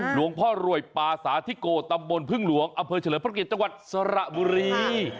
หลวงพ่อรวยปาสาธิโกตำบลพึ่งหลวงอำเภอเฉลิมพระเกียรติจังหวัดสระบุรี